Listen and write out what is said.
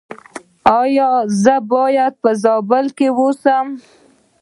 ایا زه باید په زابل کې اوسم؟